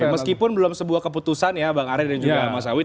meskipun belum sebuah keputusan ya bang arya dan juga mas sawit